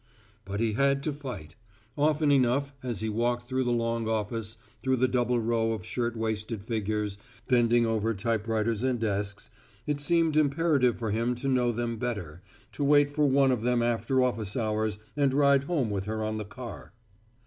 But he had to fight. Often enough as he walked through the long office through the double row of shirt waisted figures bending over typewriters and desks, it seemed imperative for him to know them better, to wait for one of them after office hours and ride home with her on the car.